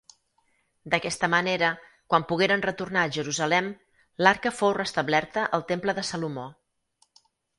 D'aquesta manera quan pogueren retornar a Jerusalem, l'Arca fou restablerta al Temple de Salomó.